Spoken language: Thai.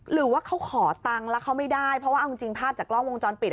หรือว่าเขาขอตังค์แล้วเขาไม่ได้เพราะว่าเอาจริงภาพจากกล้องวงจรปิด